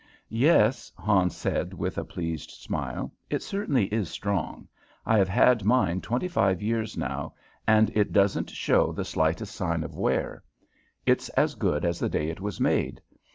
"Yes," Hans said, with a pleased smile. "It certainly is strong. I have had mine twenty five years now, and it doesn't show the slightest sign of wear. It's as good as the day it was made.